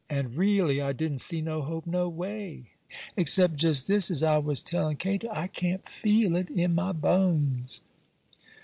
And reely I didn't see no hope no way, except just this, as I was tellin' Cato, I can't feel it in my bones."